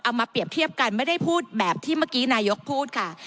มาเปรียบเทียบกันไม่ได้พูดแบบที่เมื่อกี้นายกพูดค่ะ